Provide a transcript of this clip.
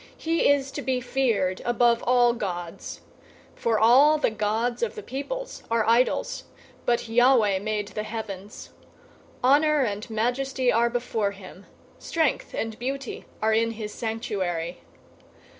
He is to be feared above all gods. 096:005 For all the gods of the peoples are idols, but Yahweh made the heavens. 096:006 Honor and majesty are before him. Strength and beauty are in his sanctuary.